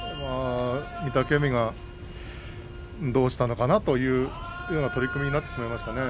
御嶽海がどうしたのかなという取組になってしまいましたね。